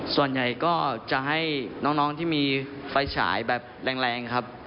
ส่วนใหญ่ก็จะให้น้องที่มีไฟฉายแบบแรงครับ